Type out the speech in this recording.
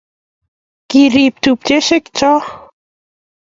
Kiripei tupcheshek choo